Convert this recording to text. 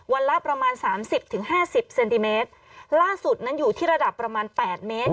ละประมาณสามสิบถึงห้าสิบเซนติเมตรล่าสุดนั้นอยู่ที่ระดับประมาณแปดเมตร